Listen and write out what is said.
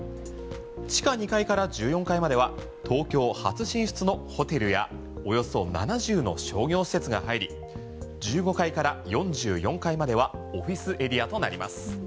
地下２階から１４階までは東京初進出のホテルやおよそ７０の商業施設が入り１５階から４４階まではオフィスエリアとなります。